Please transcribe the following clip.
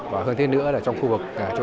và hơn thế nữa là trong khu vực